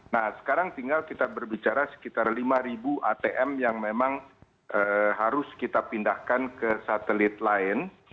nah sekarang tinggal kita berbicara sekitar lima atm yang memang harus kita pindahkan ke satelit lain